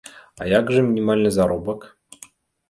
А як жа мінімальны заробак?